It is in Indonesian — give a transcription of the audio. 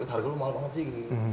harga lo mahal banget sih